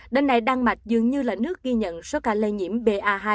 đến nay đan mạch dường như là nước ghi nhận số ca lây nhiễm ba hai